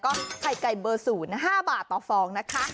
ก็ไข่ไก่เบอร์๐๕บาทต่อฟองนะคะ